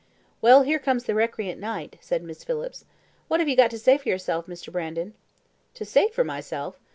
"Well, here comes the recreant knight," said Miss Phillips. "What have you got to say for yourself, Mr. Brandon?" "To say for myself!